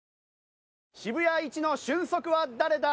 渋谷一の俊足は誰だ！？